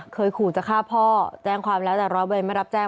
เคยขู่จะฆ่าพ่อแจ้งความแล้วแต่ร้อยเวรไม่รับแจ้ง